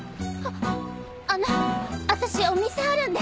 あの私お店あるんで。